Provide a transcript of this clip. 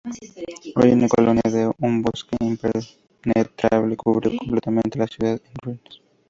Hoy en la colina, un bosque impenetrable cubrió completamente la ciudad en ruinas.